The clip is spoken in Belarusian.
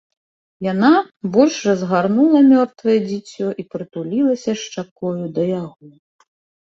Яна больш разгарнула мёртвае дзіцё і прытулілася шчакою да яго.